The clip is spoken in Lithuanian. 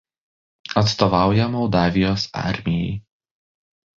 Atstovauja Moldavijos armijai.